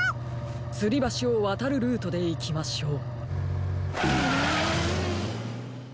つりばしをわたるルートでいきましょう。